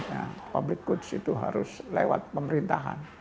nah public goods itu harus lewat pemerintahan